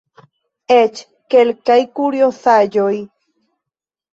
Eĉ kelkaj kuriozaĵoj.